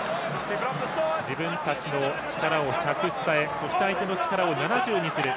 自分たちの力を１００伝えそして相手の力を７０にする。